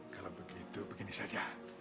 kalau begitu begini saja